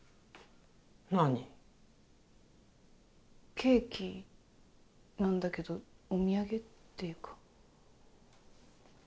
ケーキなんだけどお土産っていうか。